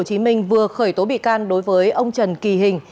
công an tp hcm vừa khởi tố bị can đối với ông trần kỳ hình